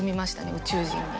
宇宙人に。